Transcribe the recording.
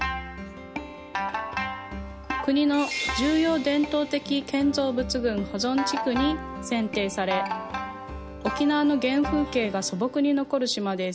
国の重要伝統的建造物群保存地区に選定され、沖縄の原風景が素朴に残る島です。